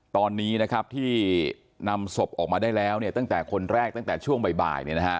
ตอนนี้นะครับที่นำศพออกมาได้แล้วตั้งแต่คนแรกตั้งแต่ช่วงบ่าย